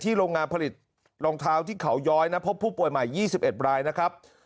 โรงงานผลิตรองเท้าที่เขาย้อยนะพบผู้ป่วยใหม่๒๑รายนะครับ